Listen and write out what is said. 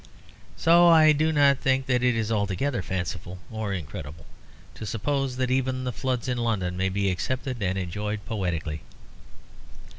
So I do not think that it is altogether fanciful or incredible to suppose that even the floods in London may be accepted and enjoyed poetically.